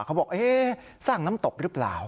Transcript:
เขาบอกสร้างน้ำตกหรือเปล่า